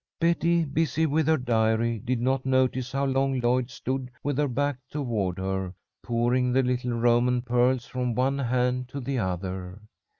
Betty, busy with her diary, did not notice how long Lloyd stood with her back toward her, pouring the little Roman pearls from one hand to the other.